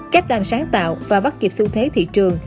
cách đàng sáng tạo và bắt kịp xu thế thị trường